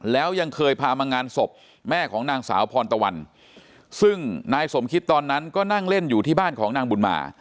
แล้วยังเคยพามางานศพแม่ของนางสาวพรตะวันซึ่งนายสมคิดตอนนั้นก็นั่งเล่นอยู่ที่บ้านของนางบุญมา